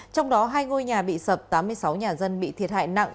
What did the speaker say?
trong đó hai ngôi nhà bị sập tám mươi sáu nhà dân bị thiệt hại nặng